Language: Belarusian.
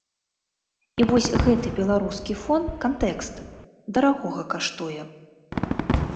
І вось гэты беларускі фон, кантэкст, дарагога каштуе.